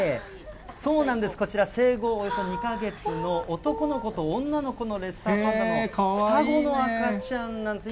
そうなんです、こちら生後およそ２か月の、男の子と女の子のレッサーパンダの双子の赤ちゃんなんです。